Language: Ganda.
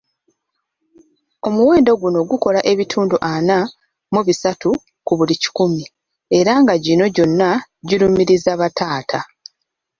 Omuwendo guno gukola ebitundu ana mu bisatu ku buli kikumi era nga gino gyonna girumiriza bataata.